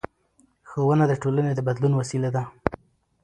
ښوونه د ټولنې د بدلون وسیله ده